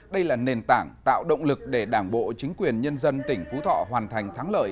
đây là nền tảng tạo động lực để đảng bộ chính quyền nhân dân tỉnh phú thọ hoàn thành thắng lợi